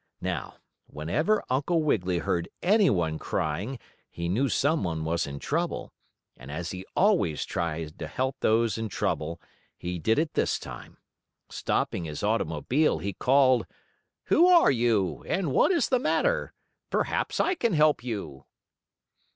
Now, whenever Uncle Wiggily heard any one crying he knew some one was in trouble, and as he always tried to help those in trouble, he did it this time. Stopping his automobile, he called: "Who are you, and what is the matter? Perhaps I can help you."